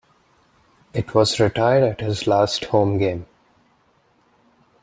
It was retired at his last home game.